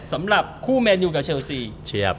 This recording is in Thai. สำหรับคู่แมนยูกับเชลซี